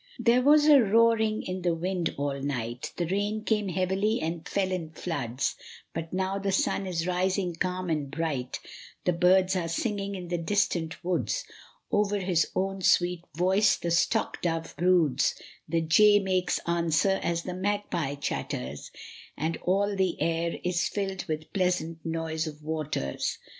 'There was a roaring in the wind all night; The rain came heavily and fell in floods; But now the sun is rising calm and bright; The birds are singing in the distant woods; Over his own sweet voice the stock dove broods; The jay makes answer as the magpie chatters; And all the air is filled with pleasant noise of waters.